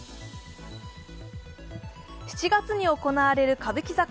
７月に行われる歌舞伎座